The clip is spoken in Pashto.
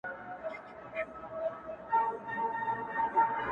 • او خپل حساب کوي دننه,